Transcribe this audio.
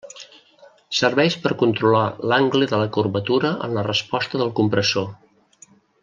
Serveix per controlar l'angle de la curvatura en la resposta del compressor.